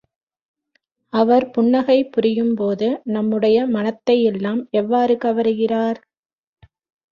அவர் புன்னகை புரியும் போது நம்முடைய மனத்தையெல்லாம் எவ்வாறு கவருகிறார்!